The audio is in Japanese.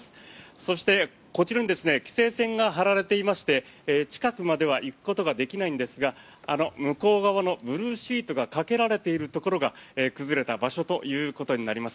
そしてこちらに規制線が張られていまして近くまでは行くことができないんですがあの向こう側のブルーシートがかけられているところが崩れた場所ということになります。